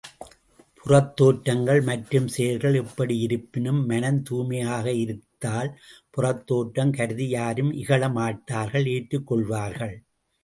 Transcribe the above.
புறத்தோற்றங்கள், மற்றும் செயல்கள் எப்படியிருப்பினும் மனம் தூய்மையாக இருந்தால் புறத்தோற்றம் கருதி யாரும் இகழமாட்டார்கள் ஏற்றுக் கொள்வார்கள்.